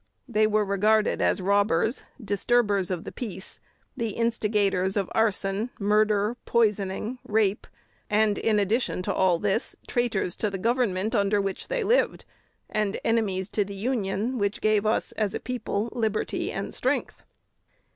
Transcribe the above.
They were regarded as robbers, disturbers of the peace, the instigators of arson, murder, poisoning, rape; and, in addition to all this, traitors to the government under which they lived, and enemies to the Union which gave us as a people liberty and strength.